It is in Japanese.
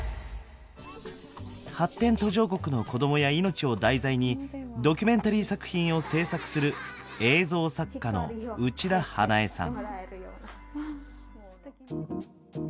発展途上国の子供や命を題材にドキュメンタリー作品を制作する映像作家の内田英恵さん。